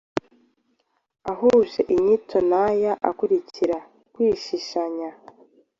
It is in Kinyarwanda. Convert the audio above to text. ahuje inyito n’aya akurikira Kwishishanya,